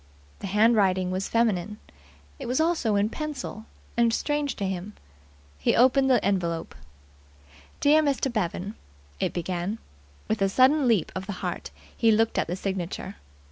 The handwriting was feminine. It was also in pencil, and strange to him. He opened the envelope. "Dear Mr. Bevan" (it began). With a sudden leap of the heart he looked at the signature.